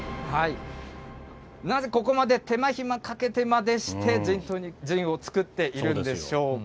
なぜここまで手間暇かけてまでして、ジンを造っているんでしょうか。